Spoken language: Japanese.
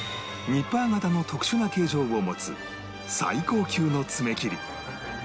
ニッパー型の特殊な形状を持つ最高級の爪切り